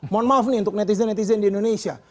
mohon maaf nih untuk netizen netizen di indonesia